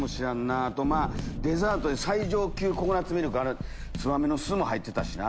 あとデザートで最上級ココナッツミルクツバメの巣も入ってたしな。